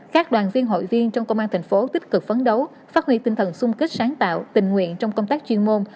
các đoàn viên hội viên trong công an thành phố tích cực phấn đấu phát huy tinh thần sung kích sáng tạo tình nguyện trong công tác chuyên môn